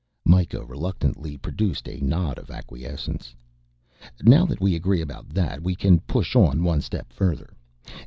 Mikah reluctantly produced a nod of acquiescence. "Now that we agree about that we can push on one step further.